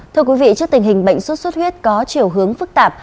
thưa quý vị trước tình hình bệnh sốt xuất huyết có chiều hướng phức tạp